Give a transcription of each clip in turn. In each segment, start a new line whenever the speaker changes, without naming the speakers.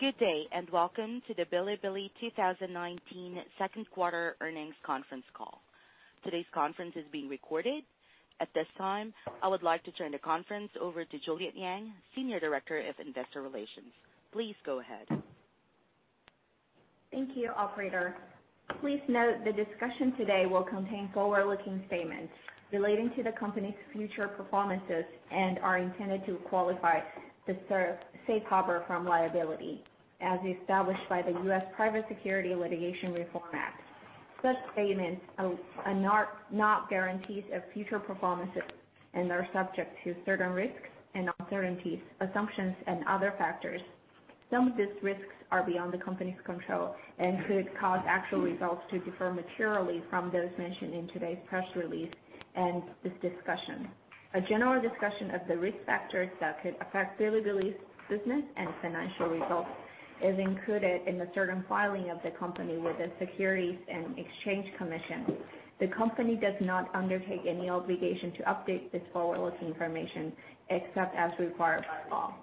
Good day. Welcome to the Bilibili 2019 second quarter earnings conference call. Today's conference is being recorded. At this time, I would like to turn the conference over to Juliet Yang, Senior Director of Investor Relations. Please go ahead.
Thank you, operator. Please note the discussion today will contain forward-looking statements relating to the company's future performances and are intended to qualify the safe harbor from liability, as established by the U.S. Private Securities Litigation Reform Act. Such statements are not guarantees of future performances and are subject to certain risks and uncertainties, assumptions, and other factors. Some of these risks are beyond the company's control and could cause actual results to differ materially from those mentioned in today's press release and this discussion. A general discussion of the risk factors that could affect Bilibili's business and financial results is included in the certain filing of the company with the Securities and Exchange Commission. The company does not undertake any obligation to update this forward-looking information except as required by law.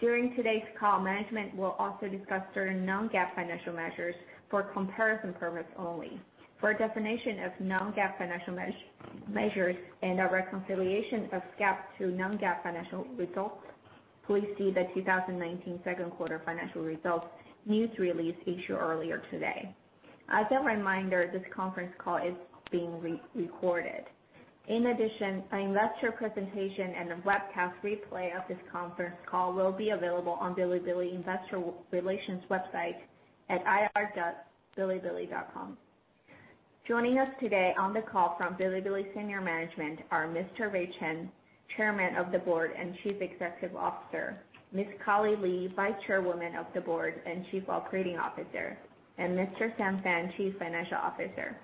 During today's call, management will also discuss certain non-GAAP financial measures for comparison purpose only. For a definition of non-GAAP financial measures and a reconciliation of GAAP to non-GAAP financial results, please see the 2019 second quarter financial results news release issued earlier today. As a reminder, this conference call is being recorded. In addition, an investor presentation and a webcast replay of this conference call will be available on Bilibili investor relations website at ir.bilibili.com. Joining us today on the call from Bilibili senior management are Mr. Rui Chen, Chairman of the Board and Chief Executive Officer, Ms. Ni Li, Vice Chairwoman of the Board and Chief Operating Officer, and Mr. Xin Fan, Chief Financial Officer.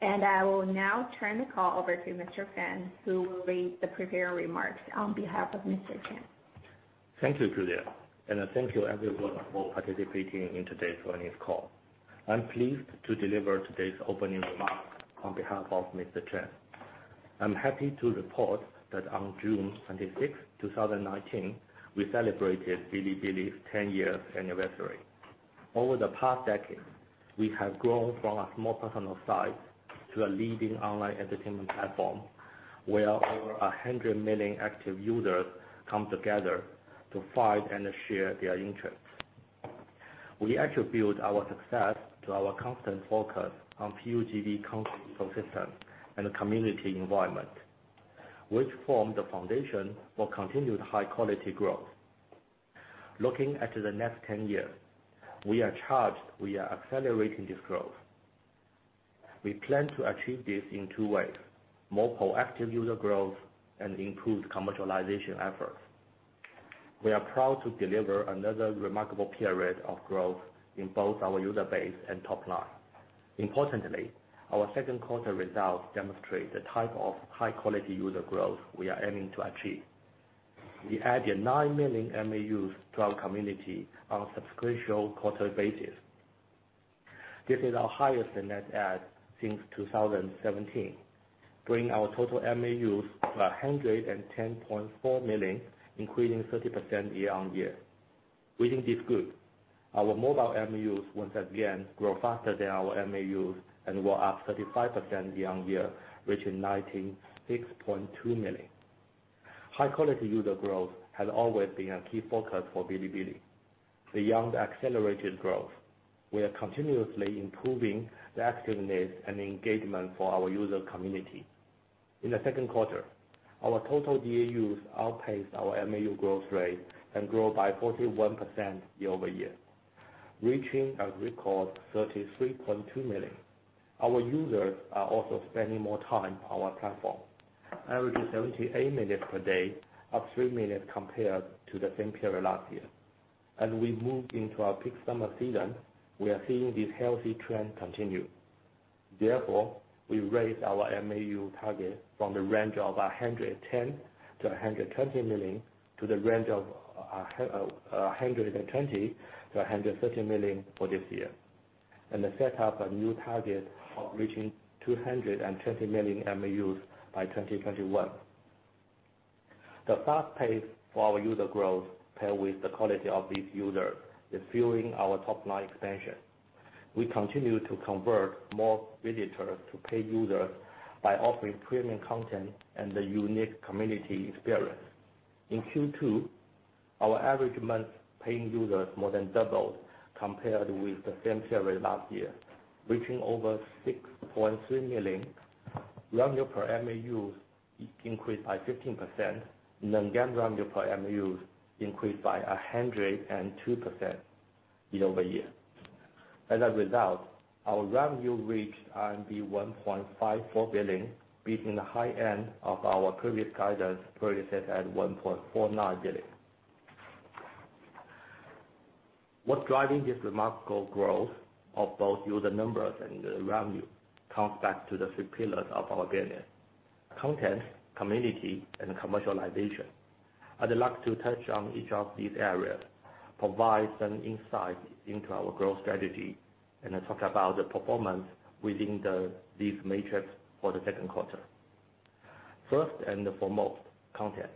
I will now turn the call over to Mr. Fan, who will read the prepared remarks on behalf of Mr. Chen.
Thank you, Juliet, and thank you everyone for participating in today's earnings call. I'm pleased to deliver today's opening remarks on behalf of Mr. Chen. I'm happy to report that on June 26th, 2019, we celebrated Bilibili's 10-year anniversary. Over the past decade, we have grown from a small personal site to a leading online entertainment platform, where over 100 million active users come together to find and share their interests. We attribute our success to our constant focus on PUGV ecosystem and community environment, which form the foundation for continued high-quality growth. Looking at the next 10 years, we are accelerating this growth. We plan to achieve this in two ways: more proactive user growth and improved commercialization efforts. We are proud to deliver another remarkable period of growth in both our user base and top line. Importantly, our second quarter results demonstrate the type of high-quality user growth we are aiming to achieve. We added nine million MAUs to our community on a sequential quarterly basis. This is our highest net add since 2017, bringing our total MAUs to 110.4 million, increasing 30% year-on-year. We think this is good. Our mobile MAUs once again grow faster than our MAUs and were up 35% year-on-year, reaching 96.2 million. High-quality user growth has always been a key focus for Bilibili. Beyond accelerated growth, we are continuously improving the activeness and engagement for our user community. In the second quarter, our total DAUs outpaced our MAU growth rate and grew by 41% year-over-year, reaching a record 33.2 million. Our users are also spending more time on our platform, averaging 78 minutes per day, up three minutes compared to the same period last year. As we move into our peak summer season, we are seeing this healthy trend continue. We raised our MAU target from the range of 110 million-120 million to the range of 120 million-130 million for this year, and set up a new target of reaching 220 million MAUs by 2021. The fast pace for our user growth paired with the quality of these users is fueling our top-line expansion. We continue to convert more visitors to paid users by offering premium content and a unique community experience. In Q2, our average month paying users more than doubled compared with the same period last year, reaching over 6.3 million. Revenue per MAU increased by 15%, and non-GAAP revenue per MAU increased by 102% year-over-year. Our revenue reached RMB 1.54 billion, beating the high end of our previous guidance, previously at 1.49 billion. What's driving this remarkable growth of both user numbers and revenue comes back to the three pillars of our business: content, community, and commercialization. I'd like to touch on each of these areas, provide some insight into our growth strategy, and talk about the performance within these metrics for the second quarter. First and foremost, content.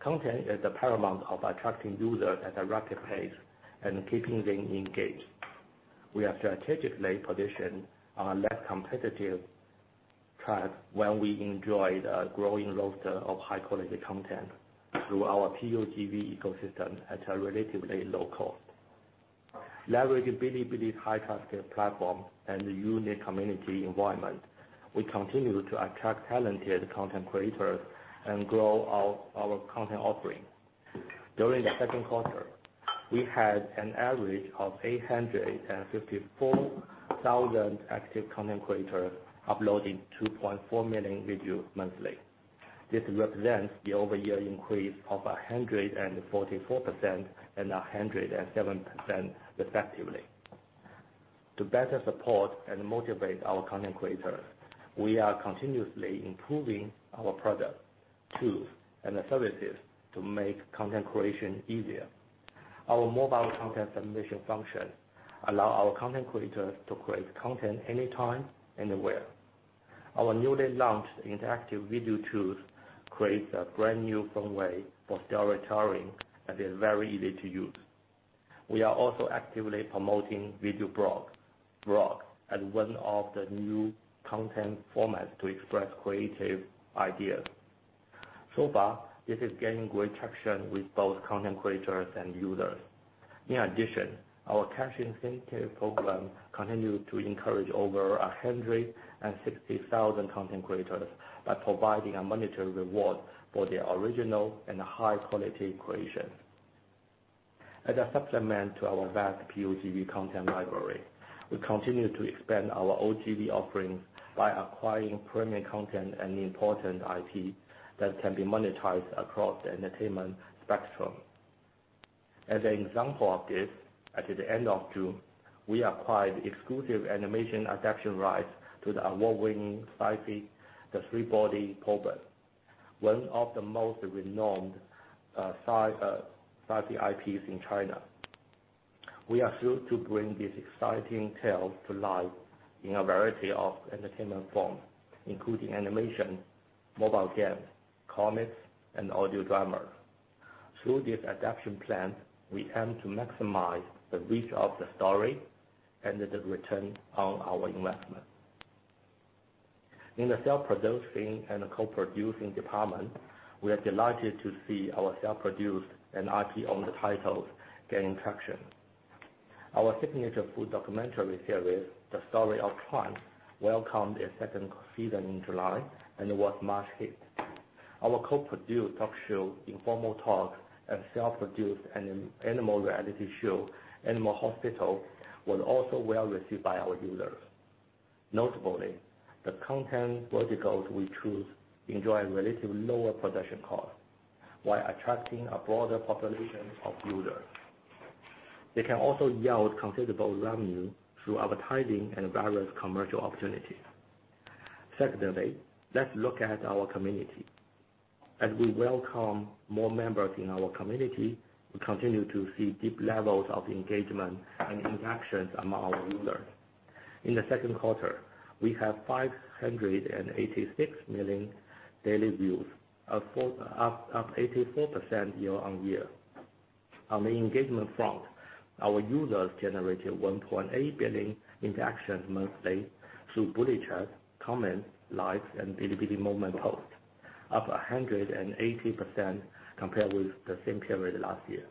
Content is the paramount of attracting users at a rapid pace and keeping them engaged. We are strategically positioned on a less competitive track when we enjoy the growing roster of high-quality content through our PUGV ecosystem at a relatively low cost. Leveraging Bilibili's high-trusted platform and unique community environment, we continue to attract talented content creators and grow our content offering. During the second quarter, we had an average of 854,000 active content creators uploading 2.4 million videos monthly. This represents the year-over-year increase of 144% and 107% respectively. To better support and motivate our content creators, we are continuously improving our product tools and services to make content creation easier. Our mobile content submission function allow our content creators to create content anytime, anywhere. Our newly launched interactive video tools creates a brand-new fun way for storytelling that is very easy to use. We are also actively promoting video blog as one of the new content formats to express creative ideas. So far, this is gaining great traction with both content creators and users. In addition, our cash incentive program continued to encourage over 160,000 content creators by providing a monetary reward for their original and high-quality creation. As a supplement to our vast PUGV content library, we continue to expand our OGV offerings by acquiring premium content and important IP that can be monetized across the entertainment spectrum. As an example of this, at the end of June, we acquired exclusive animation adaptation rights to the award-winning sci-fi "The Three-Body Problem," one of the most renowned sci-fi IPs in China. We are thrilled to bring this exciting tale to life in a variety of entertainment forms, including animation, mobile games, comics, and audio drama. Through this adaptation plan, we aim to maximize the reach of the story and the return on our investment. In the self-producing and co-producing department, we are delighted to see our self-produced and IP-owned titles gaining traction. Our signature food documentary series, "The Story of Chuan'r", welcomed a second season in July and was much hit. Our co-produced talk show, "Informal Talks" and self-produced animal reality show, "Animal Hospital," was also well-received by our users. Notably, the content verticals we choose enjoy relatively lower production costs while attracting a broader population of users. They can also yield considerable revenue through advertising and various commercial opportunities. Secondly, let's look at our community. As we welcome more members in our community, we continue to see deep levels of engagement and interactions among our users. In the second quarter, we have 586 million daily views, up 84% year-over-year. On the engagement front, our users generated 1.8 billion interactions monthly through bullet chat, comments, likes, and Bilibili moment posts, up 118% compared with the same period last year.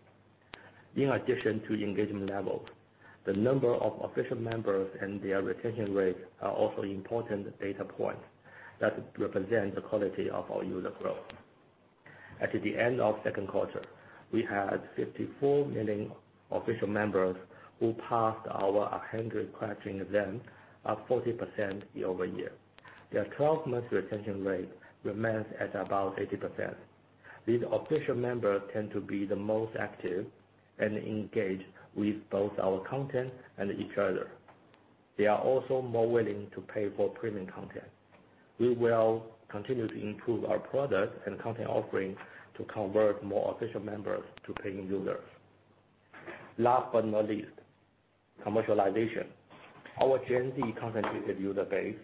In addition to engagement levels, the number of official members and their retention rates are also important data points that represent the quality of our user growth. At the end of second quarter, we had 54 million official members who passed our 100 question exam, up 40% year-over-year. Their 12-month retention rate remains at about 80%. These official members tend to be the most active and engaged with both our content and each other. They are also more willing to pay for premium content. We will continue to improve our product and content offerings to convert more official members to paying users. Last but not least, commercialization. Our Gen Z concentrated user base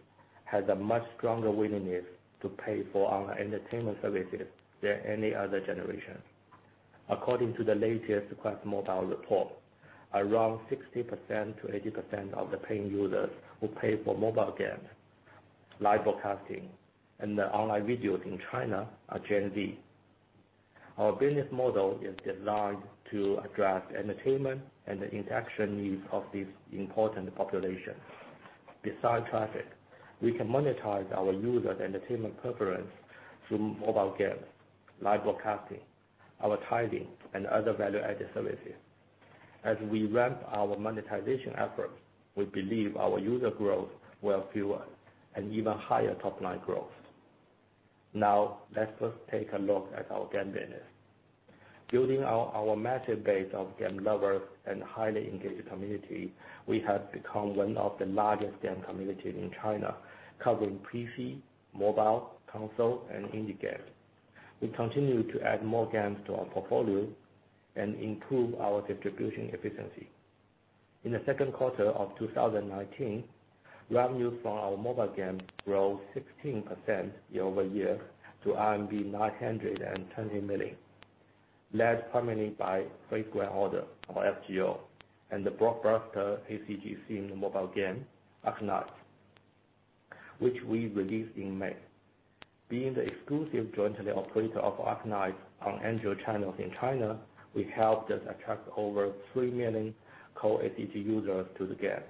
has a much stronger willingness to pay for our entertainment services than any other generation. According to the latest QuestMobile report, around 60%-80% of the paying users who pay for mobile games, live broadcasting, and online videos in China are Gen Z. Our business model is designed to address the entertainment and the interaction needs of this important population. Besides traffic, we can monetize our users' entertainment preference through mobile games, live broadcasting, advertising, and other value-added services. Let's first take a look at our game business. Building our massive base of game lovers and highly engaged community, we have become one of the largest game communities in China, covering PC, mobile, console, and indie games. We continue to add more games to our portfolio and improve our distribution efficiency. In the second quarter of 2019, revenue from our mobile games grew 16% year-over-year to RMB 920 million, led primarily by Fate/Grand Order, or FGO, and the blockbuster ACG-themed mobile game Arknights, which we released in May. Being the exclusive jointly operator of Arknights on Android channels in China, we helped it attract over 3 million core ACG users to the game.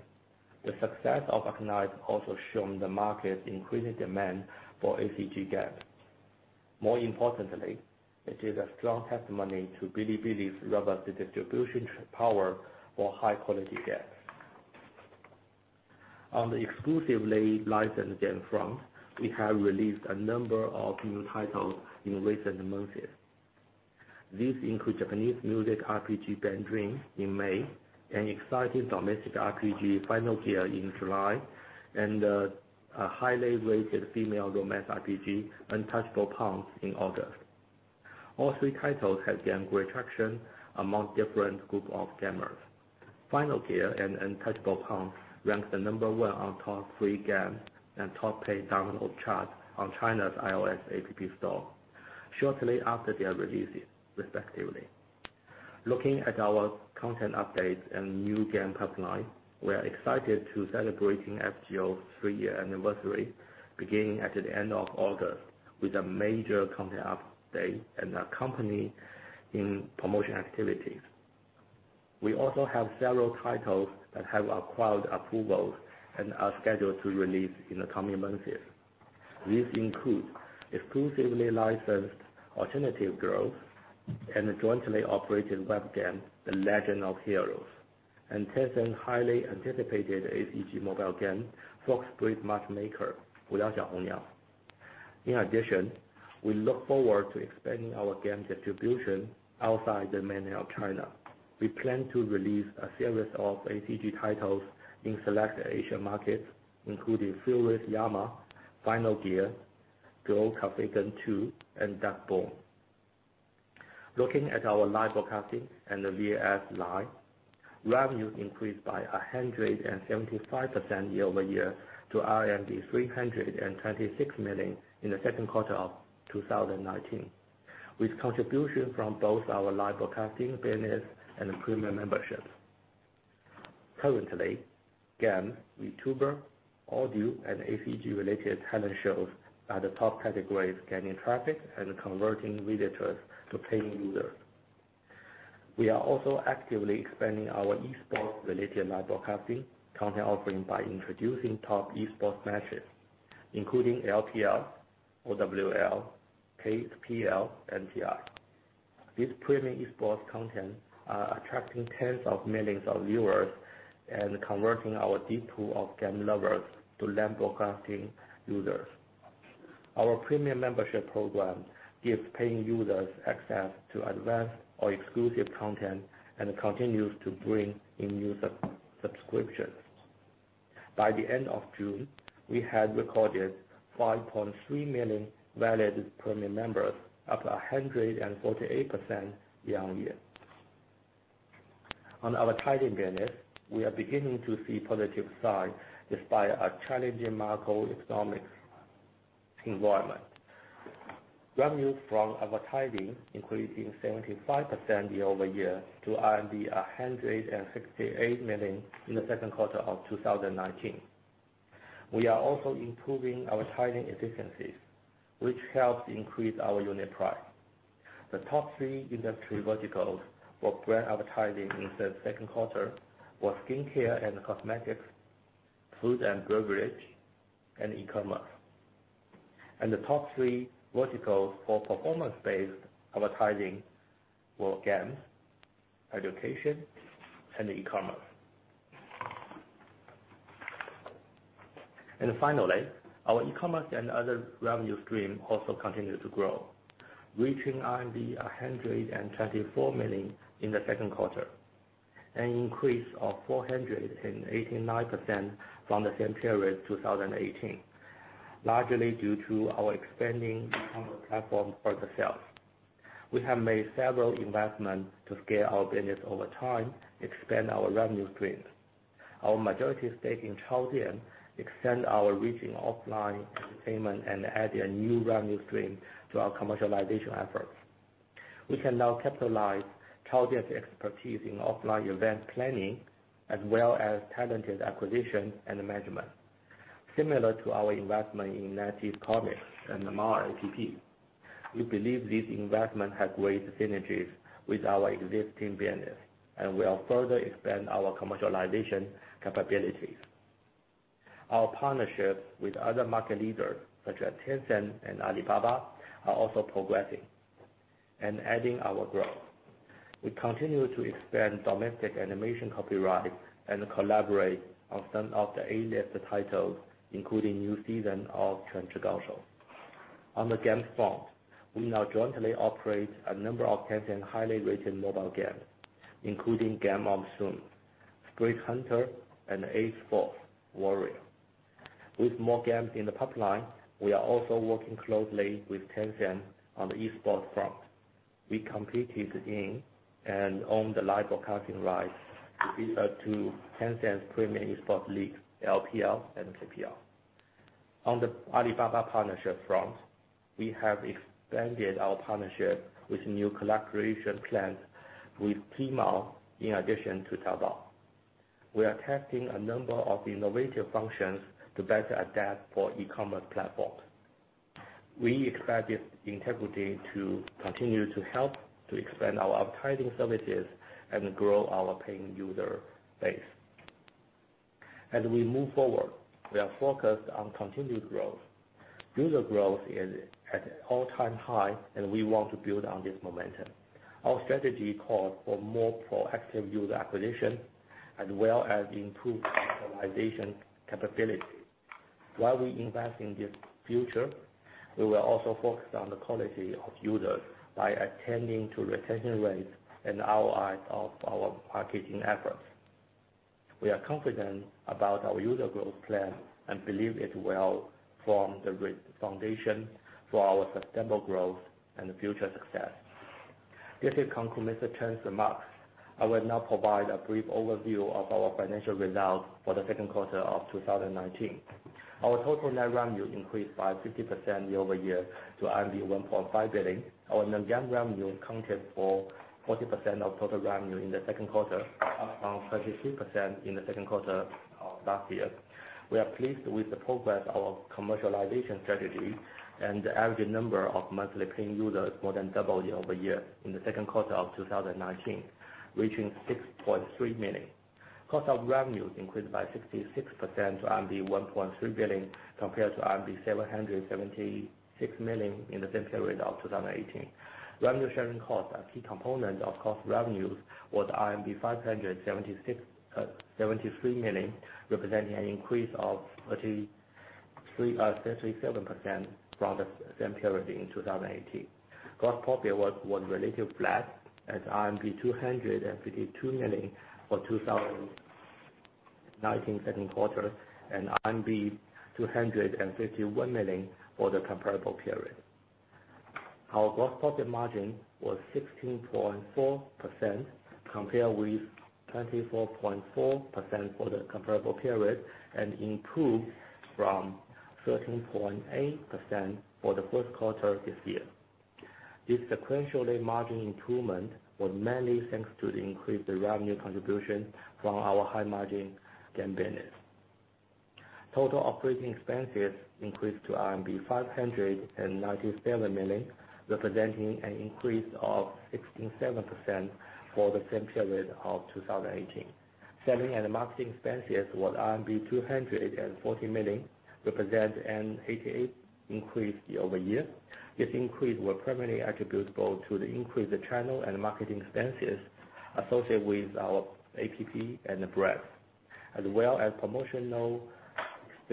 The success of Arknights also shown the market's increased demand for ACG games. More importantly, it is a strong testimony to Bilibili's robust distribution power for high-quality games. On the exclusively licensed game front, we have released a number of new titles in recent months. These include Japanese music RPG BanG Dream! in May, an exciting domestic RPG, Final Gear, in July, and a highly-rated female romance RPG, Untouchable Pawn, in August. All three titles have gained good traction among different group of gamers. Final Gear and Untouchable Pawn ranked the number 1 on top free game and top paid download chart on China's iOS App Store shortly after their releases, respectively. Looking at our content updates and new game pipeline, we are excited to celebrating FGO's 3-year anniversary beginning at the end of August with a major content update and accompanying promotion activities. We also have several titles that have acquired approvals and are scheduled to release in the coming months. These include exclusively licensed Alternative Girls and jointly operated web game The Legend of Heroes, and Tencent's highly anticipated ACG mobile game, Fox Spirit Matchmaker: Huliang Xiaohongniao. In addition, we look forward to expanding our game distribution outside the mainland China. We plan to release a series of ACG titles in select Asian markets, including Furious Yama, Final Gear, Girl Cafe Gun 2, and Duckhorn. Looking at our live broadcasting and the VAS, revenue increased by 175% year over year to 326 million in the second quarter of 2019, with contribution from both our live broadcasting business and premium memberships. Currently, game, Vtuber, audio, and ACG-related talent shows are the top categories gaining traffic and converting visitors to paying users. We are also actively expanding our e-sport-related live broadcasting content offering by introducing top e-sports matches, including LPL, OWL, KPL, and TI. These premium e-sports content are attracting tens of millions of viewers and converting our deep pool of game lovers to live broadcasting users. Our premium membership program gives paying users access to advanced or exclusive content and continues to bring in new subscriptions. By the end of June, we had recorded 5.3 million valid premium members, up 148% year-on-year. Advertising business, we are beginning to see positive signs despite a challenging market economics environment. Revenue from advertising increasing 75% year-over-year to RMB 168 million in the second quarter of 2019. We are also improving advertising efficiencies, which helps increase our unit price. The top 3 industry verticals for brand advertising in the second quarter were skincare and cosmetics, food and beverage, and e-commerce. The top 3 verticals for performance-based advertising were games, education, and e-commerce. Finally, our e-commerce and other revenue stream also continued to grow, reaching 124 million in the second quarter, an increase of 489% from the same period 2018, largely due to our expanding commercial platform further sales. We have made several investments to scale our business over time, expand our revenue streams. Our majority stake in Chaodian extends our reach in offline entertainment and adds a new revenue stream to our commercialization efforts. We can now capitalize Chaodian's expertise in offline event planning, as well as talented acquisition and management. Similar to our investment in Bilibili Comics and Manman APP, we believe this investment has great synergies with our existing business and will further expand our commercialization capabilities. Our partnerships with other market leaders such as Tencent and Alibaba are also progressing and adding our growth. We continue to expand domestic animation copyright and collaborate on some of the A-list titles, including new season of "Quanzhi Gao Shou." On the games front, we now jointly operate a number of Tencent highly-rated mobile games, including Game of Thrones, Spirit Hunter, and 8th Fourth Warrior. With more games in the pipeline, we are also working closely with Tencent on the e-sport front. We competed in and own the live broadcasting rights to Tencent's premium e-sport league, LPL and KPL. On the Alibaba partnership front, we have expanded our partnership with new collaboration plans with Tmall in addition to Taobao. We are testing a number of innovative functions to better adapt for e-commerce platform. We expect this integrity to continue to help to expand our advertising services and grow our paying user base. As we move forward, we are focused on continued growth. User growth is at an all-time high, and we want to build on this momentum. Our strategy calls for more proactive user acquisition as well as improved personalization capability. While we invest in this future, we will also focus on the quality of users by attending to retention rates and ROI of our marketing efforts. We are confident about our user growth plan and believe it will form the foundation for our sustainable growth and future success. This concludes the trends remarks. I will now provide a brief overview of our financial results for the second quarter of 2019. Our total net revenue increased by 50% year-over-year to 1.5 billion. Our non-GAAP revenue accounted for 40% of total revenue in the second quarter, up from 33% in the second quarter of last year. We are pleased with the progress of commercialization strategy and the average number of monthly paying users more than doubled year-over-year in the second quarter of 2019, reaching 6.3 million. Cost of revenues increased by 66% to RMB 1.3 billion, compared to RMB 776 million in the same period of 2018. Revenue sharing costs are a key component of cost of revenues, with RMB 573 million, representing an increase of 37% from the same period in 2018. Gross profit was relatively flat at RMB 252 million for 2019 second quarter, and RMB 251 million for the comparable period. Our gross profit margin was 16.4%, compared with 24.4% for the comparable period, and improved from 13.8% for the first quarter this year. This sequential margin improvement was mainly thanks to the increased revenue contribution from our high-margin game business. Total operating expenses increased to RMB 597 million, representing an increase of 67% for the same period of 2018. Selling and marketing expenses was RMB 240 million, represent an 88% increase year-over-year. This increase was primarily attributable to the increased channel and marketing expenses associated with our App and the brand, as well as promotional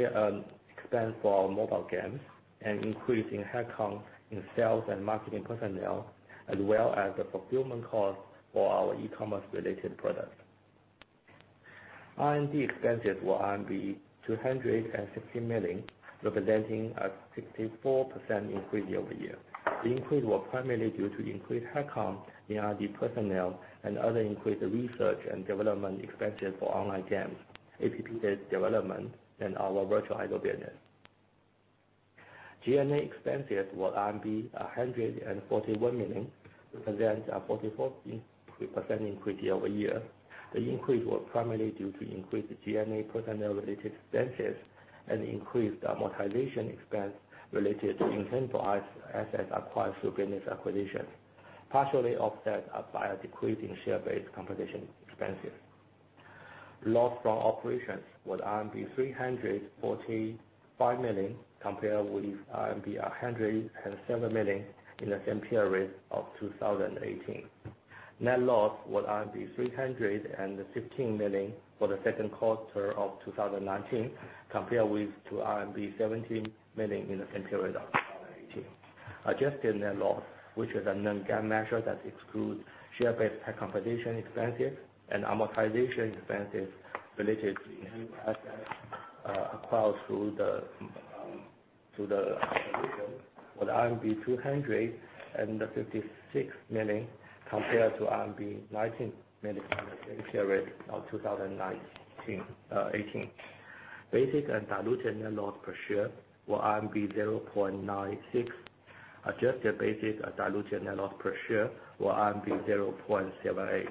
expense for our mobile games, an increase in headcount in sales and marketing personnel, as well as the fulfillment cost for our e-commerce related products. R&D expenses were 260 million, representing a 64% increase year-over-year. The increase was primarily due to increased headcount in R&D personnel and other increased research and development expenses for online games, App-based development, and our virtual idol business. G&A expenses were 141 million, represents a 44% increase year-over-year. The increase was primarily due to increased G&A personnel-related expenses and increased amortization expense related to intangible assets acquired through business acquisitions, partially offset by a decrease in share-based compensation expenses. Loss from operations was RMB 345 million, compared with RMB 107 million in the same period of 2018. Net loss was RMB 315 million for the second quarter of 2019, compared with RMB 17 million in the same period of 2018. Adjusted net loss, which is a non-GAAP measure that excludes share-based compensation expenses and amortization expenses related to intangible assets acquired for the 256 million, compared to RMB 19 million in the same period of 2018. Basic and diluted net loss per share were RMB 0.96. Adjusted basic and diluted net loss per share were RMB 0.78.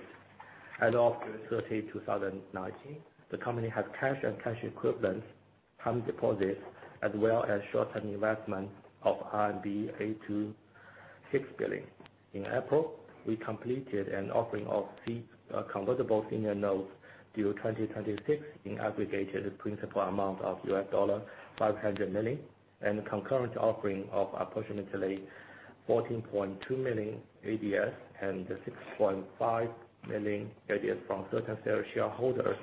As of June 30, 2019, the company has cash and cash equivalents, term deposits, as well as short-term investment of RMB 8.6 billion. In April, we completed an offering of convertible senior notes due 2026 in aggregated principal amount of $500 million and concurrent offering of approximately 14.2 million ADS and 6.5 million ADS from certain sale shareholders.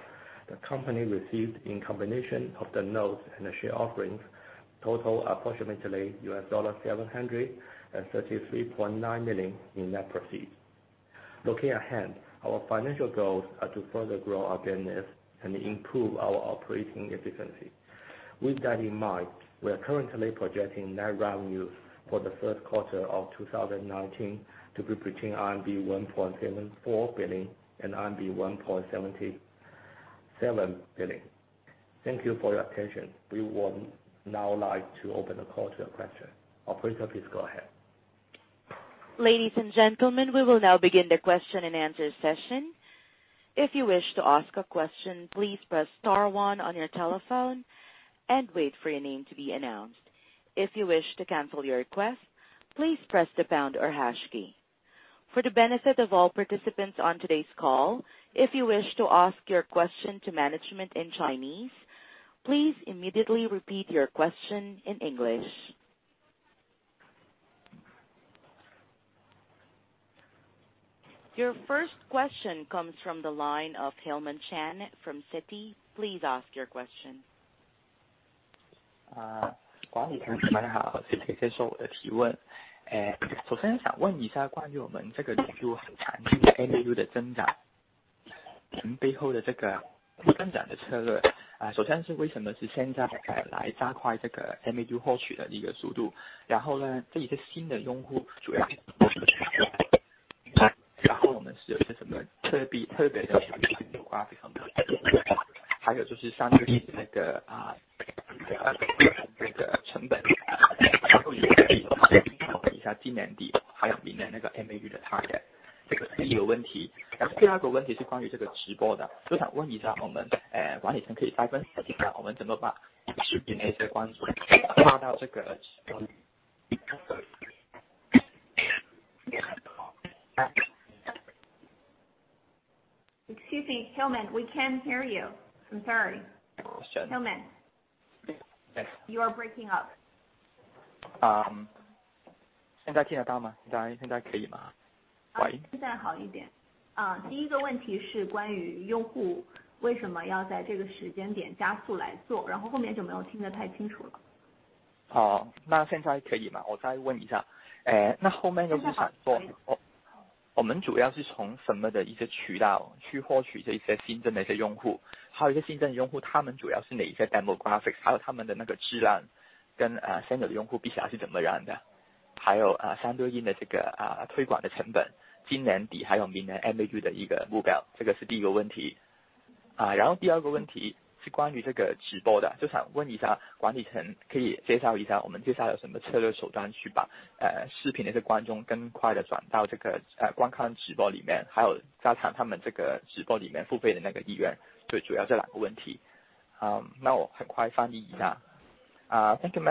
The company received in combination of the notes and the share offerings total approximately $733.9 million in net proceeds. Looking ahead, our financial goals are to further grow our business and improve our operating efficiency. With that in mind, we are currently projecting net revenues for the first quarter of 2019 to be between RMB 1.74 billion and RMB 1.77 billion. Thank you for your attention. We would now like to open the call to your questions. Operator, please go ahead.
Ladies and gentlemen, we will now begin the question and answer session. If you wish to ask a question, please press star one on your telephone and wait for your name to be announced. If you wish to cancel your request, please press the pound or hash key. For the benefit of all participants on today's call, if you wish to ask your question to management in Chinese, please immediately repeat your question in English. Your first question comes from the line of Hillman Chan from Citi. Please ask your question.
Excuse me, Hillman, we can't hear you. I'm sorry. Hillman.
Yes。
You are breaking up.
现在听得到吗？现在可以吗？喂？
现在好一点。第一个问题是关于用户为什么要在这个时间点加速来做，然后后面就没有听得太清楚了。
那现在可以吗？我再问一下。那后面就是想说——
很好，可以。
我们主要是从什么渠道去获取这些新的用户，还有这些新的用户他们主要是哪些demographics，还有他们的质量跟新的用户比起来是怎么样的？还有相对应的这个推广的成本，今年底还有明年MAU的一个目标。这个是第一个问题。然后第二个问题是关于这个直播的，就想问一下管理层，可以介绍一下我们接下来有什么策略手段去把视频的一些观众更快地转到观看直播里面，还有加强他们这个直播里面付费的意愿。最主要这两个问题。那我很快翻译一下。Thank you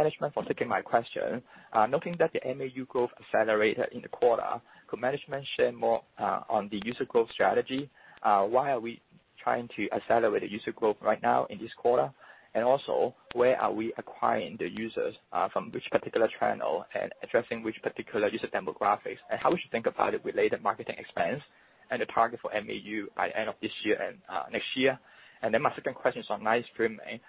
management for taking my question. Noting that the MAU growth accelerated in the quarter. Could management share more on the user growth strategy? Why are we trying to accelerate the user growth right now in this quarter? Where are we acquiring the users, from which particular channel and addressing which particular user demographics? How we should think about the related marketing expense and the target for MAU by end of this year and next year? My second question is on live streaming.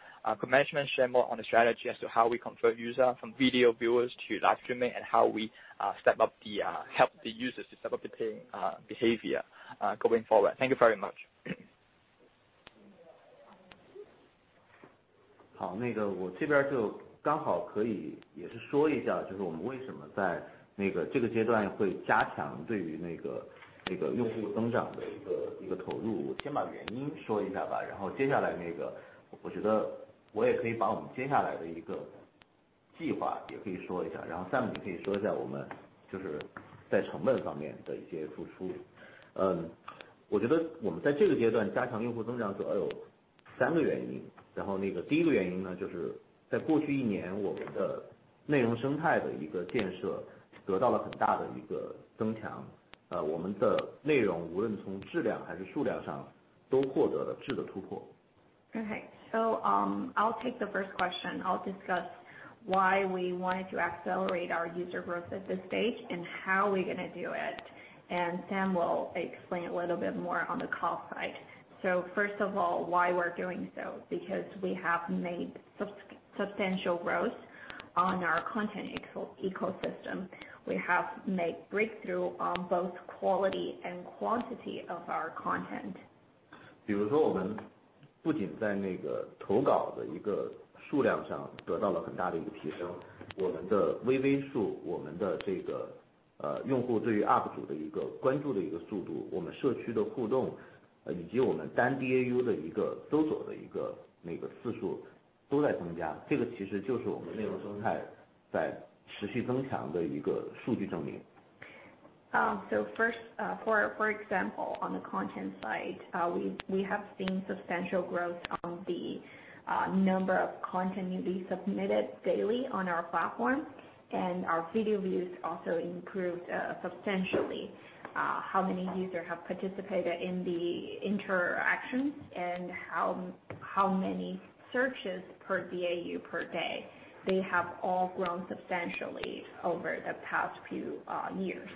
Could management share more on the strategy as to how we convert user from video viewers to live streaming and how we help the users to step up the paying behavior going forward? Thank you very much.
Okay. I'll take the first question. I'll discuss why we wanted to accelerate our user growth at this stage and how we're going to do it. Sam will explain a little bit more on the call side. First of all, why we're doing so? Because we have made substantial growth on our content ecosystem. We have made breakthrough on both quality and quantity of our content.
比如说我们不仅在投稿的数量上得到了很大的提升，我们的微微数，我们的用户对于UP主的关注的速度，我们社区的互动，以及我们单DAU的搜索次数都在增加。这个其实就是我们内容生态在持续增强的一个数据证明。
First, for example, on the content side, we have seen substantial growth on the number of content being submitted daily on our platform, and our video views also improved substantially. How many users have participated in the interactions and how many searches per DAU per day? They have all grown substantially over the past few years.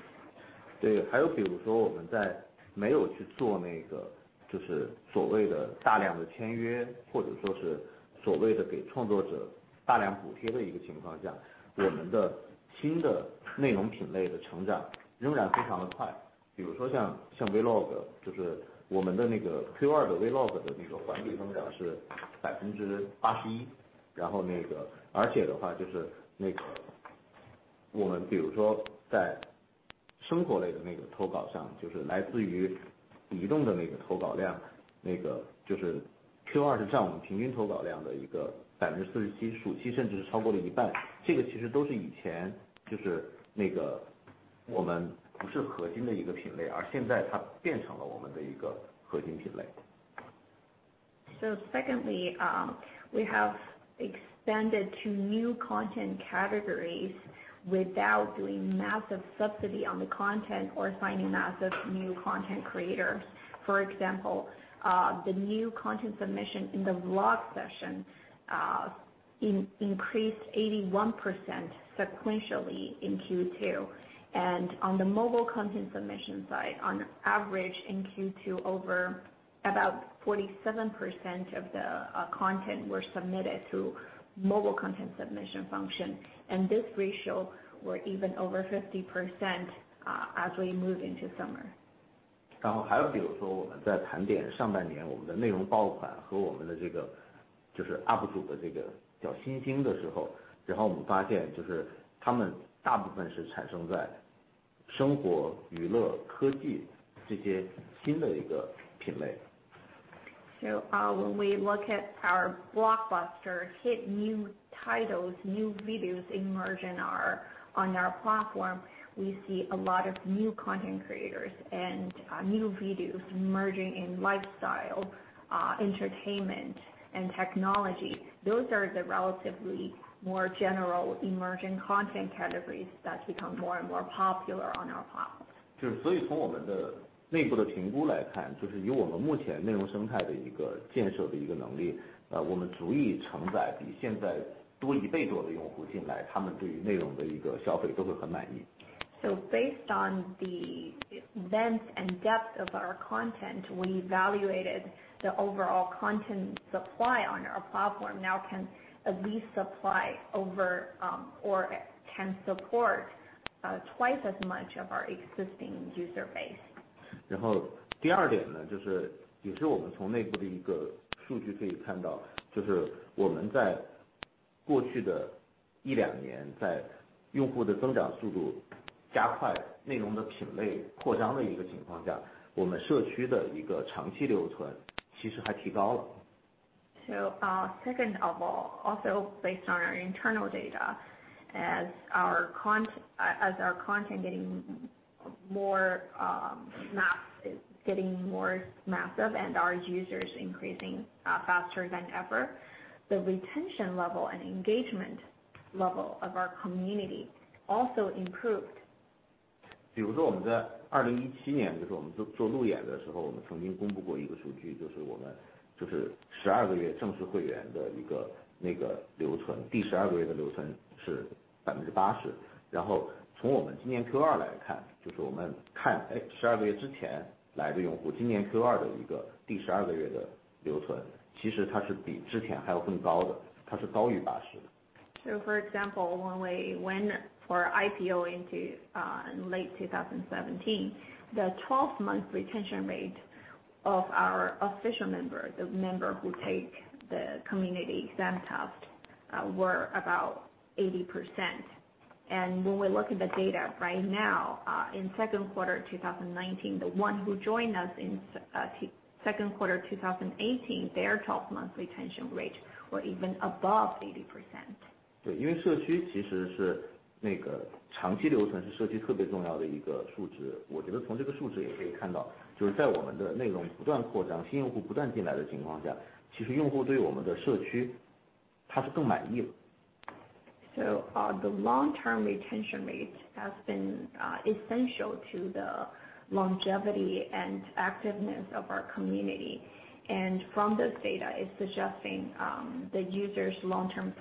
Secondly, we have expanded to new content categories without doing massive subsidy on the content or finding massive new content creators. For example, the new content submission in the Vlog session increased 81% sequentially in Q2. On the mobile content submission side, on average in Q2, about 47% of the content was submitted through mobile content submission function, and this ratio was even over 50% as we moved into summer.
然后还有，比如说我们在盘点上半年我们的内容爆款和我们的Up主的较新兴的时候，我们发现他们大部分是产生在生活、娱乐、科技这些新的品类。
When we look at our blockbuster hit, new titles, new videos emerge on our platform. We see a lot of new content creators and new videos emerging in lifestyle, entertainment, and technology. Those are the relatively more general emerging content categories that become more and more popular on our platform.
所以从我们的内部的评估来看，以我们目前内容生态建设的能力，我们足以承载比现在多一倍多的用户进来，他们对于内容的一个消费都会很满意。
Based on the length and depth of our content, we evaluated the overall content supply on our platform now can at least supply over or can support twice as much of our existing user base.
然后第二点，也是我们从内部的一个数据可以看到，我们在过去的一两年，在用户的增长速度加快、内容的品类扩张的一个情况下，我们社区的一个长期留存其实还提高了。
Second of all, also based on our internal data, as our content getting more massive and our users increasing faster than ever, the retention level and engagement level of our community also improved.
比如说我们在2017年做路演的时候，我们曾经公布过一个数据，我们的12个月正式会员的留存，第12个月的留存是80%。然后从我们今年Q2来看，我们看12个月之前来的用户，今年Q2的一个第12个月的留存，其实它是比之前还要更高的，它是高于80%的。
For example, when we went for IPO in late 2017, the 12-month retention rate of our official members, the member who take the community exam top, were about 80%. When we look at the data right now in second quarter 2019, the one who joined us in second quarter 2018, their 12-month retention rate were even above 80%.
对，因为长期留存是社区特别重要的一个数值。我觉得从这个数值也可以看到，在我们的内容不断扩张、新用户不断进来的情况下，其实用户对于我们的社区是更满意了。
The long-term retention rate has been essential to the longevity and activeness of our community. From this data, it's suggesting the user's long-term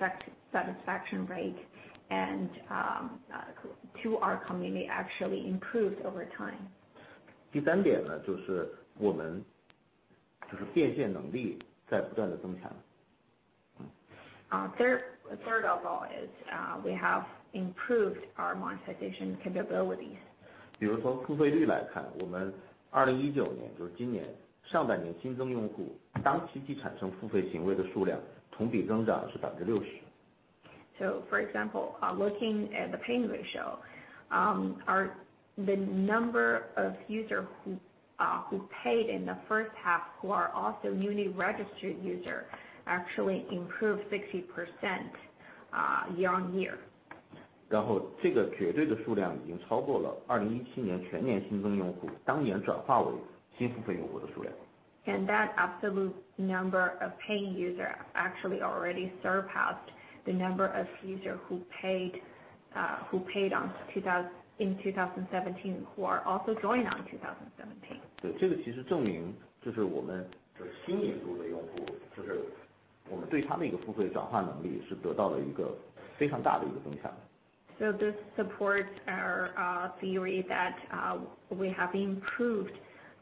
satisfaction rate to our community actually improved over time.
第三点，就是我们变现能力在不断地增强。
The third of all is we have improved our monetization capabilities.
比如说付费率来看，我们2019年，就是今年上半年新增用户，当期既产生付费行为的数量，同比增长是60%。
For example, looking at the paying ratio, the number of users who paid in the first half, who are also newly registered users, actually improved 60% year-on-year.
然后这个绝对的数量已经超过了2017年全年新增用户当年转化为新付费用户的数量。
That absolute number of paying user actually already surpassed the number of user who paid in 2017, who are also joined on 2017.
这其实证明我们新引入的用户，我们对他的一个付费转化能力是得到了一个非常大的增强。
This supports our theory that we have improved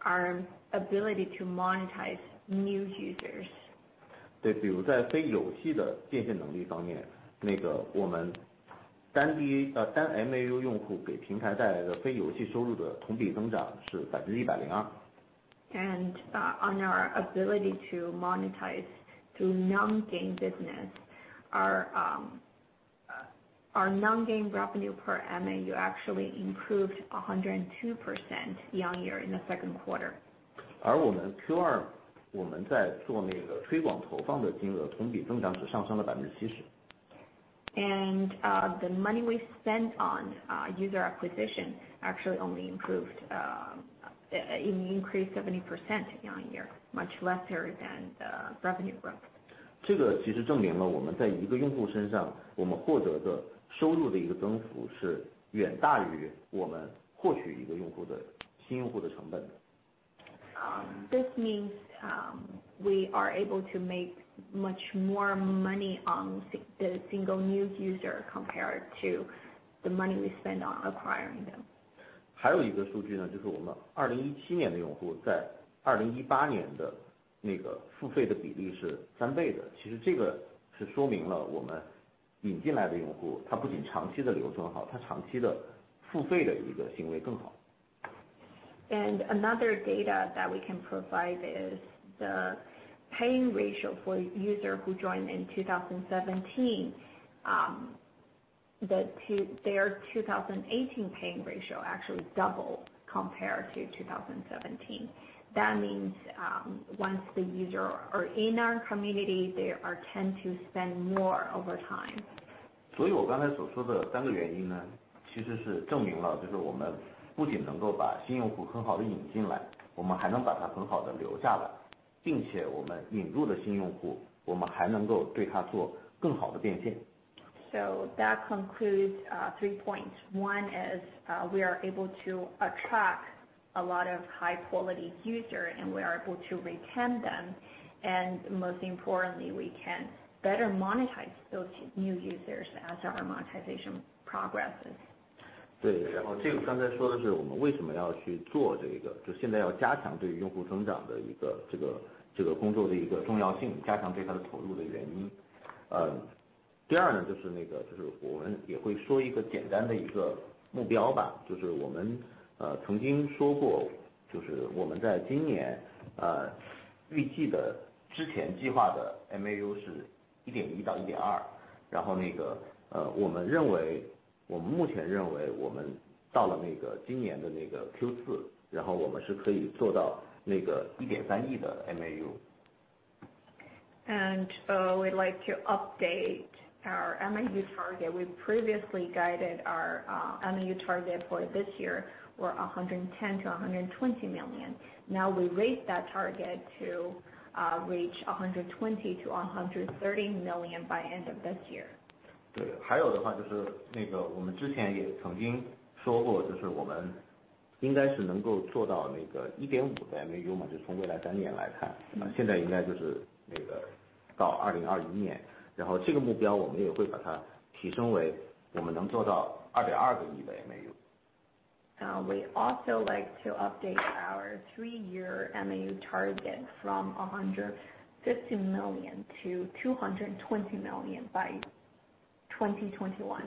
our ability to monetize new users.
对，比如在非游戏的变现能力方面，我们单MAU用户给平台带来的非游戏收入的同比增长是102%。
On our ability to monetize through non-game business. Our non-game revenue per MAU actually improved 102% year-on-year in the second quarter.
我们Q2在做推广投放的金额同比增长只上升了70%。
The money we spent on user acquisition actually only increased 70% year-on-year, much lesser than the revenue growth.
这个其实证明了我们在一个用户身上，我们获得的收入的一个增幅是远大于我们获取一个新用户的成本。
This means we are able to make much more money on the single new user compared to the money we spend on acquiring them.
还有一个数据，就是我们2017年的用户在2018年的付费的比例是三倍的。其实这个说明了我们引进来的用户，他不仅长期的留存好，他长期的付费的一个行为更好。
Another data that we can provide is the paying ratio for user who joined in 2017. Their 2018 paying ratio actually doubled compared to 2017. That means once the user are in our community, they tend to spend more over time.
所以我刚才所说的三个原因，其实是证明了我们不仅能够把新用户很好地引进来，我们还能把他很好地留下来，并且我们引入的新用户，我们还能够对他做更好的变现。
That concludes three points. One is we are able to attract a lot of high quality user, and we are able to retain them. Most importantly, we can better monetize those new users as our monetization progresses. We'd like to update our MAU target. We previously guided our MAU target for this year were 110 million-120 million. We raised that target to reach 120 million-130 million by end of this year.
对。还有的话，就是我们之前也曾经说过，我们应该是能够做到1.5亿的MAU，从未来三年来看，现在应该就是到2021年，这个目标我们也会把它提升为我们能做到2.2亿的MAU。
We also like to update our three-year MAU target from 150 million to 220 million by 2021.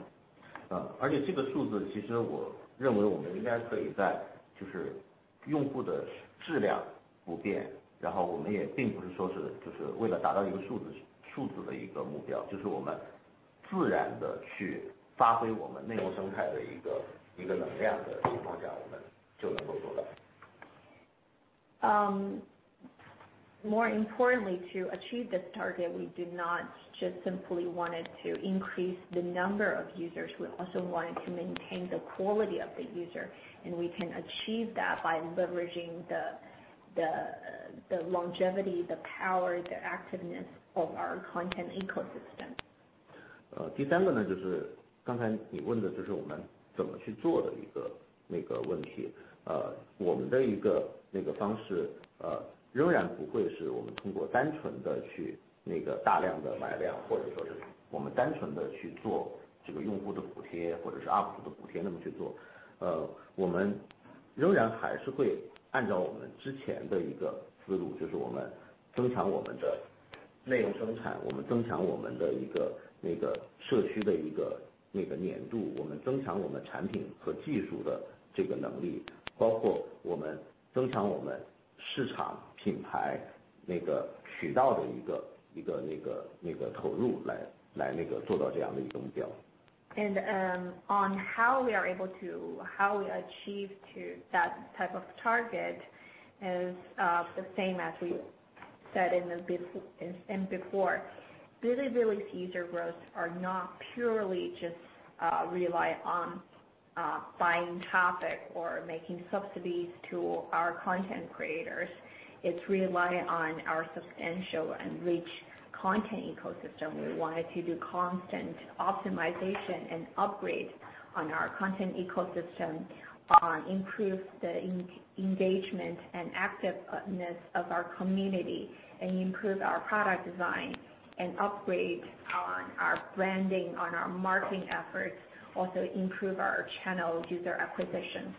More importantly, to achieve this target, we do not just simply want it to increase the number of users. We also want it to maintain the quality of the user, and we can achieve that by leveraging the longevity, the power, the activeness of our content ecosystem.
第三个就是刚才你问的就是我们怎么去做的一个问题。我们的一个方式仍然不会是我们通过单纯地去大量的买量，或者说是我们单纯地去做用户的补贴，或者是UP的补贴那么去做。我们仍然还是会按照我们之前的一个思路，就是我们增强我们的内容生产，我们增强我们的社区的粘度，我们增强我们产品和技术的能力，包括我们增强我们市场品牌渠道的一个投入来做到这样的一个目标。
On how we achieve to that type of target is the same as we said before, Bilibili user growth are not purely just rely on buying topic or making subsidies to our content creators. It's rely on our substantial and rich content ecosystem. We wanted to do constant optimization and upgrade on our content ecosystem, improve the engagement and activeness of our community, and improve our product design and upgrade on our branding, on our marketing efforts, also improve our channel user acquisition.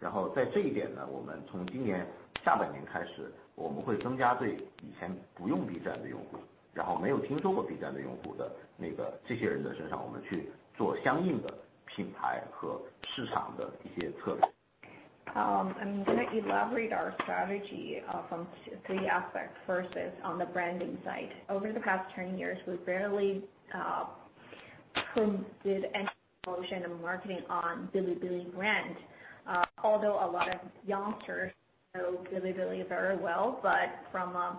I'm gonna elaborate our strategy from three aspects. First is on the branding side. Over the past 10 years, we barely promoted any promotion and marketing on Bilibili brand. Although a lot of youngsters know Bilibili very well, but from a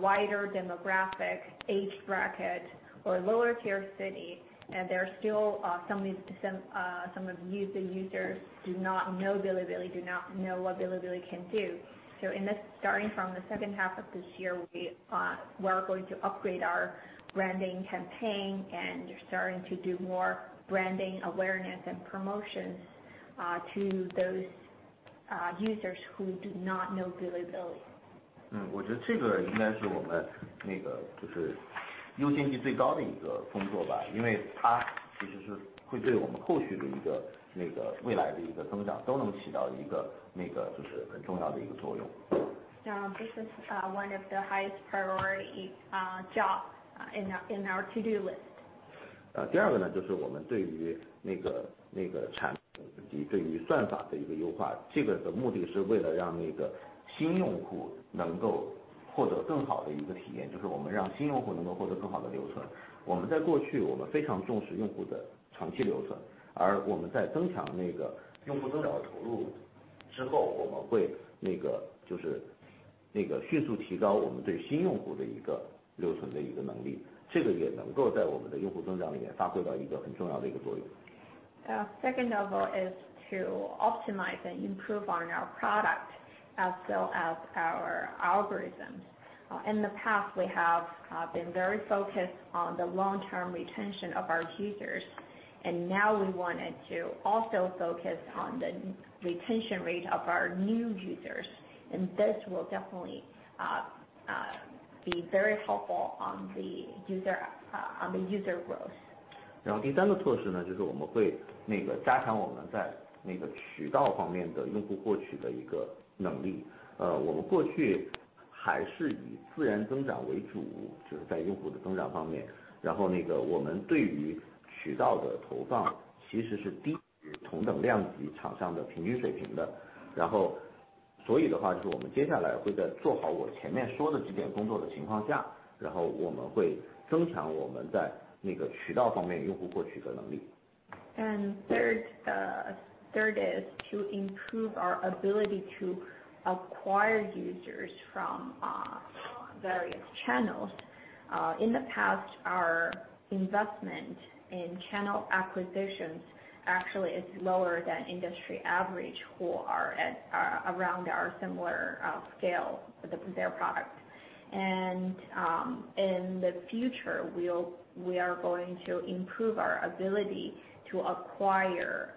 wider demographic age bracket or lower tier city, and there are still some of the users do not know Bilibili, do not know what Bilibili can do. In this, starting from the second half of this year, we are going to upgrade our branding campaign and starting to do more branding awareness and promotions to those users who do not know Bilibili.
我觉得这个应该是我们优先级最高的一个工作，因为它其实会对我们后续的增长起到很重要的作用。
This is one of the highest priority job in our to-do list.
第二个是我们对于产品以及对于算法的优化。这个的目的是为了让新用户能够获得更好的体验，就是我们让新用户能够获得更好的留存。我们在过去非常重视用户的长期留存，而在增强用户增长的投入之后，我们会迅速提高我们对新用户留存的能力，这也能够在我们的用户增长里面发挥到很重要的作用。
Second level is to optimize and improve on our product as well as our algorithms. In the past, we have been very focused on the long-term retention of our users, and now we wanted to also focus on the retention rate of our new users. This will definitely be very helpful on the user growth. Third is to improve our ability to acquire users from various channels. In the past, our investment in channel acquisitions actually is lower than industry average, who are around our similar scale with their product. In the future, we are going to improve our ability to acquire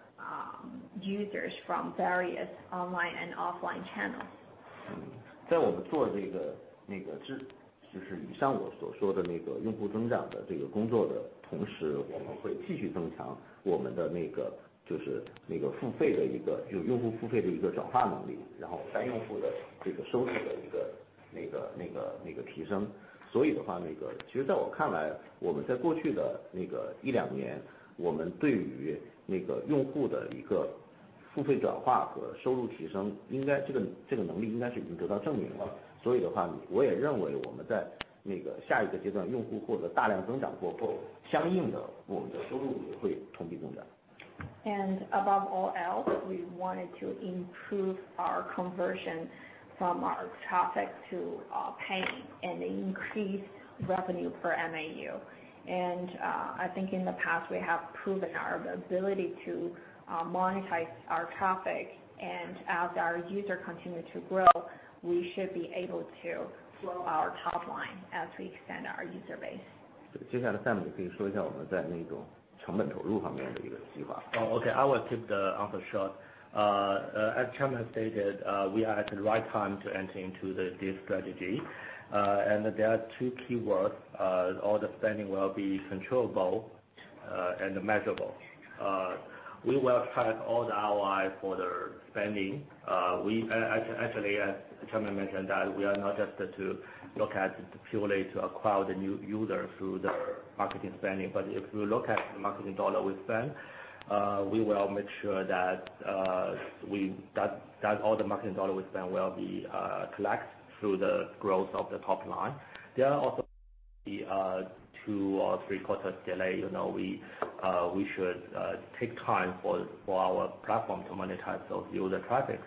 users from various online and offline channels.
在我们做以上我所说的用户增长的工作的同时，我们会继续增强我们的用户付费的转化能力，然后单用户的收入的提升。所以其实在我看来，我们在过去的一两年，我们对于用户的付费转化和收入提升这个能力应该是已经得到证明了。所以我也认为我们在下一个阶段，用户获得大量增长过后，相应的我们的收入也会同比增长。
Above all else, we wanted to improve our conversion from our traffic to pay and increase revenue per MAU. I think in the past we have proven our ability to monetize our traffic. As our user continue to grow, we should be able to grow our top line as we expand our user base.
接下来Xin可以说一下我们在成本投入方面的一个计划。
Okay, I will keep the answer short. As Chairman has stated, we are at the right time to enter into this strategy. There are two keywords: all the spending will be controllable and measurable. We will track all the ROI for the spending. As Chairman mentioned, we are not just to look at purely to acquire the new user through the marketing spending, if you look at the marketing dollar we spend We will make sure that all the marketing CNY we spend will be collected through the growth of the top line. There are also two or three quarters delay. We should take time for our platform to monetize those user traffics.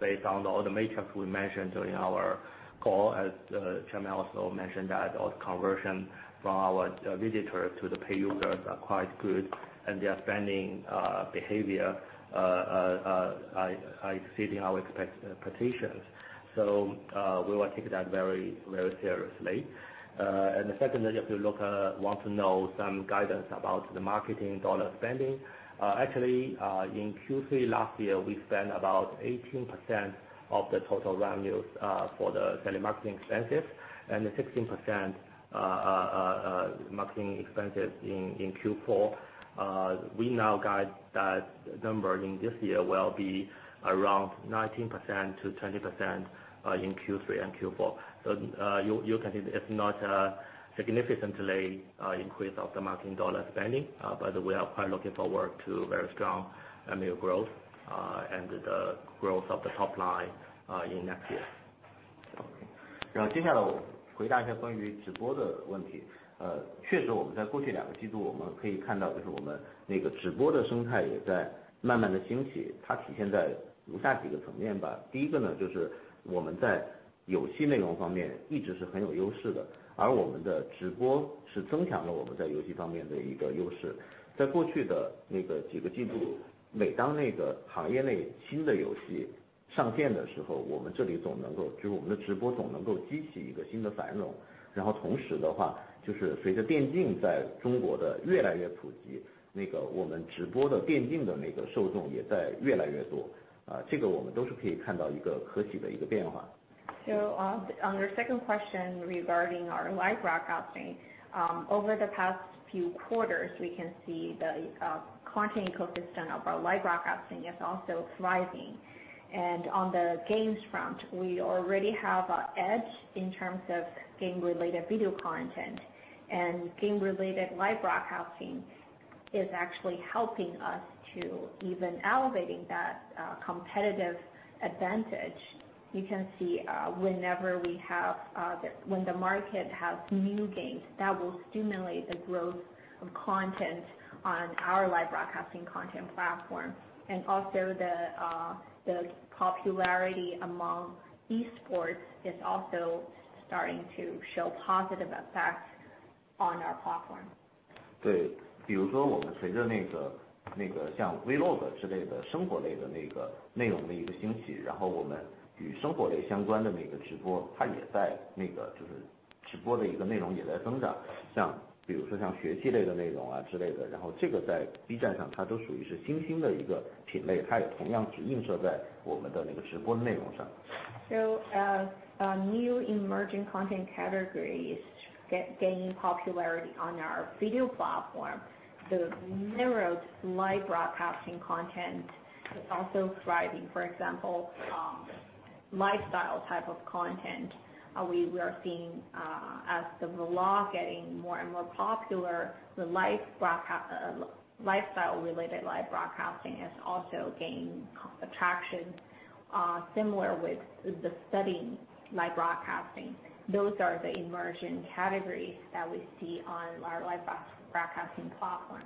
Based on all the metrics we mentioned during our call, as Rui also mentioned, those conversion from our visitors to the pay users are quite good, and their spending behavior are exceeding our expectations. We will take that very seriously. Secondly, if you want to know some guidance about the marketing CNY spending, actually, in Q3 last year, we spent about 18% of the total revenues for the marketing expenses, and the 16% marketing expenses in Q4. We now guide that number in this year will be around 19%-20% in Q3 and Q4. You can see it's not a significant increase of the marketing dollar spending. By the way, I'm quite looking forward to very strong annual growth and the growth of the top line in next year.
On your second question regarding our live broadcasting. Over the past few quarters, we can see the content ecosystem of our live broadcasting is also thriving. On the games front, we already have an edge in terms of game-related video content. Game-related live broadcasting is actually helping us to even elevating that competitive advantage. You can see when the market has new games, that will stimulate the growth of content on our live broadcasting content platform. Also, the popularity among e-sports is also starting to show positive effects on our platform.
对，比如说随着像Vlog之类的生活类内容的兴起，与生活类相关的直播的内容也在增长。比如说像学习类的内容之类的，这个在B站上都属于是新兴的一个品类，它也同样映射在我们的直播内容上。
New emerging content categories gaining popularity on our video platform. Narrowed live broadcasting content is also thriving. For example, lifestyle type of content, we are seeing as the Vlog getting more and more popular, the lifestyle-related live broadcasting is also gaining traction. Similar with the study live broadcasting, those are the emerging categories that we see on our live broadcasting platform.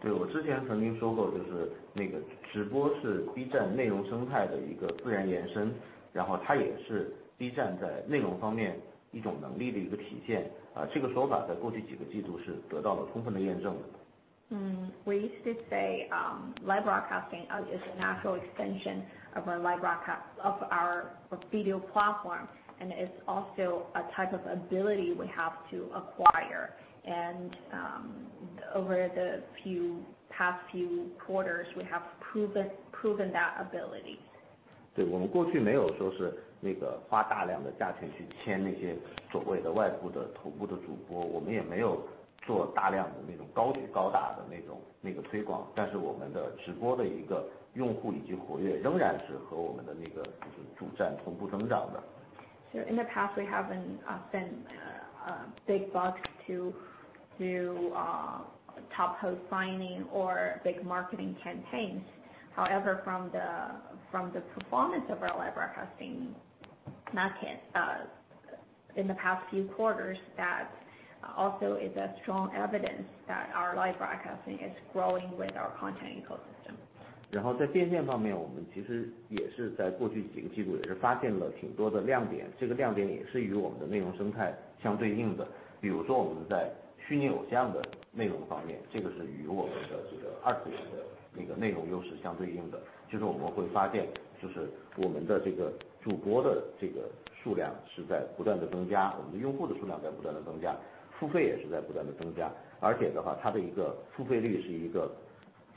对，我之前曾经说过，直播是B站内容生态的一个自然延伸，它也是B站在内容方面一种能力的一个体现。这个说法在过去几个季度是得到了充分的验证。
We used to say live broadcasting is a natural extension of our video platform, and it's also a type of ability we have to acquire. Over the past few quarters, we have proven that ability.
对，我们过去没有花大量的价钱去签那些所谓的外部的头部的主播，我们也没有做大量的那种高大上的推广，但是我们的直播的用户以及活跃仍然是和我们的主站同步增长的。
In the past, we haven't spent big bucks to do top host signing or big marketing campaigns. However, from the performance of our live broadcasting in the past few quarters, that also is a strong evidence that our live broadcasting is growing with our content ecosystem.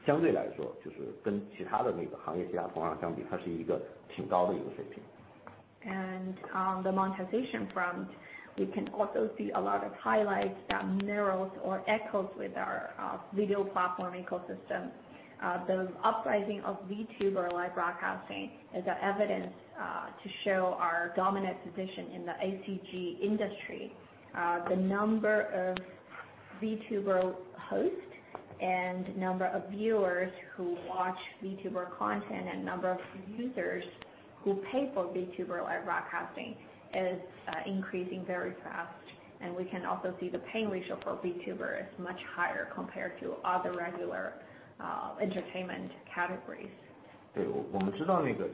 On the monetization front, we can also see a lot of highlights that mirrors or echoes with our video platform ecosystem. The uprising of Vtuber live broadcasting is an evidence to show our dominant position in the ACG industry. The number of Vtuber host and number of viewers who watch Vtuber content and number of users who pay for Vtuber live broadcasting is increasing very fast. We can also see the paying ratio for Vtuber is much higher compared to other regular entertainment categories. We are confident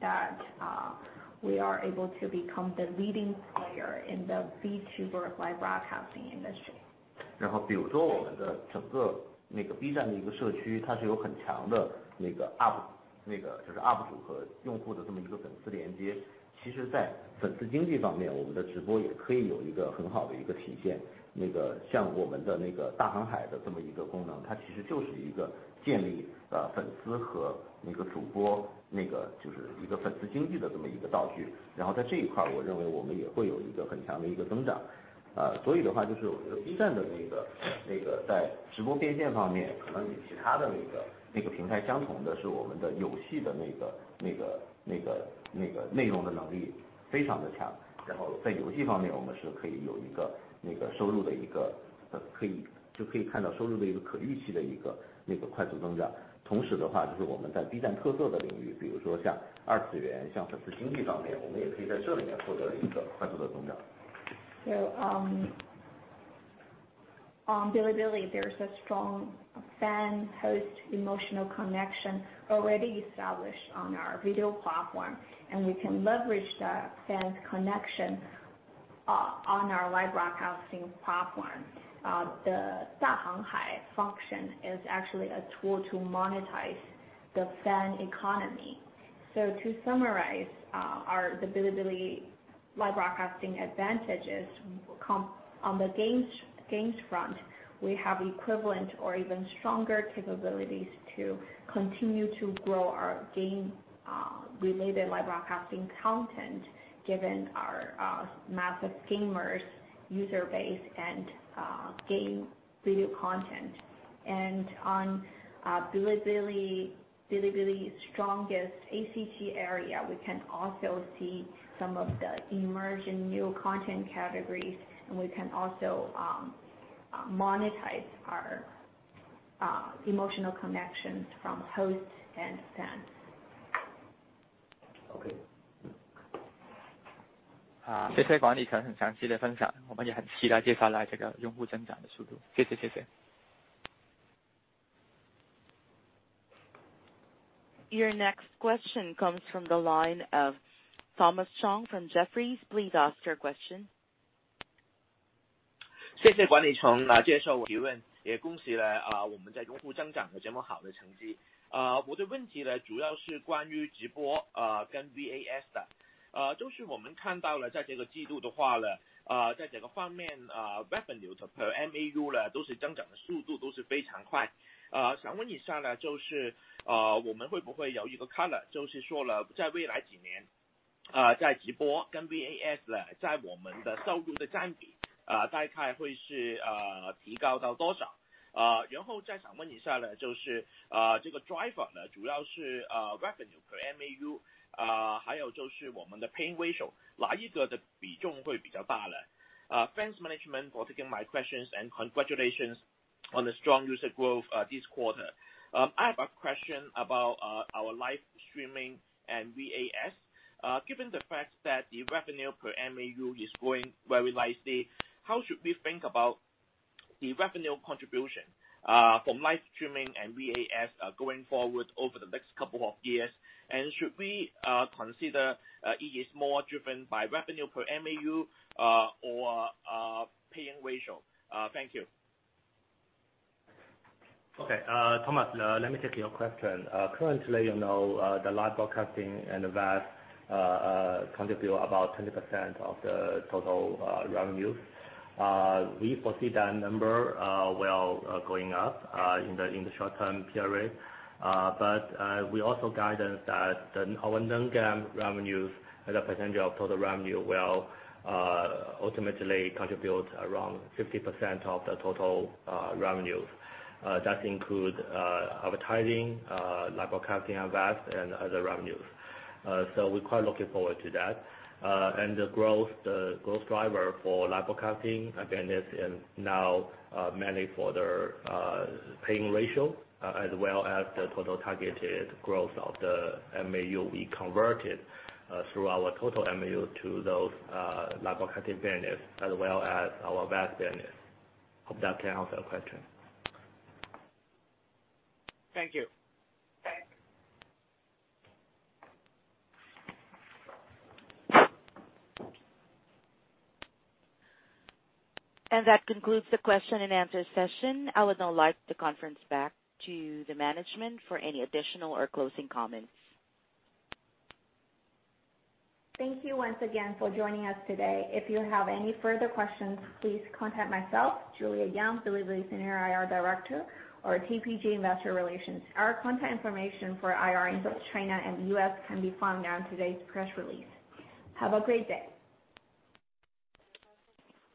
that we are able to become the leading player in the Vtuber live broadcasting industry. On Bilibili, there's a strong fan-host emotional connection already established on our video platform, and we can leverage that fan connection on our live broadcasting platform. The function is actually a tool to monetize the fan economy. To summarize, the Bilibili live broadcasting advantage is, on the games front, we have equivalent or even stronger capabilities to continue to grow our game-related live broadcasting content, given our massive gamers, user base, and game video content. On Bilibili strongest ACG area, we can also see some of the emerging new content categories, and we can also monetize our emotional connections from hosts and fans.
Okay.
Your next question comes from the line of Thomas Chong from Jefferies. Please ask your question.
Thanks, management, for taking my questions, and congratulations on the strong user growth this quarter. I have a question about our live streaming and VAS. Given the fact that the revenue per MAU is growing very nicely, how should we think about the revenue contribution from live streaming and VAS going forward over the next couple of years? Should we consider it is more driven by revenue per MAU or paying ratio? Thank you.
Okay. Thomas, let me take your question. Currently, the live broadcasting and VAS contribute about 20% of the total revenues. We foresee that number going up in the short term period. We also guided that our non-GAAP revenues as a percentage of total revenue will ultimately contribute around 50% of the total revenues. That includes advertising, live broadcasting, VAS, and other revenues. We're quite looking forward to that. The growth driver for live broadcasting again, is now mainly for the paying ratio as well as the total targeted growth of the MAU we converted through our total MAU to those live broadcasting business as well as our VAS business. Hope that can answer your question.
Thank you.
That concludes the question and answer session. I would now like the conference back to the management for any additional or closing comments.
Thank you once again for joining us today. If you have any further questions, please contact myself, Juliet Yang, Bilibili Senior IR Director or TPG Investor Relations. Our contact information for IR in both China and the U.S. can be found on today's press release. Have a great day.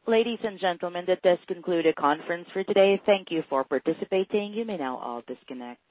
Ladies and gentlemen, that does conclude the conference for today. Thank you for participating. You may now all disconnect.